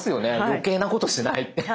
余計なことしないって。